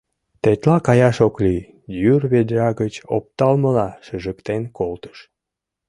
Тетла каяш ок лий: йӱр ведра гыч опталмыла шыжыктен колтыш.